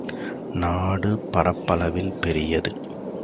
நாடு பரப்பளவில் பெரியது.